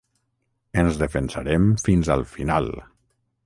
Ens defensarem fins al final.